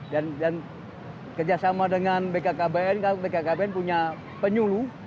dan kerjasama dengan bkkbn bkkbn punya penyuluh